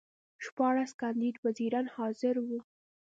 شپاړس کاندید وزیران حاضر وو.